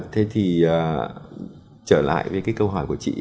thế thì trở lại với cái câu hỏi của chị